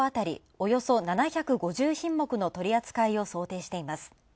およそ７５０品目の取り扱いを想定しています。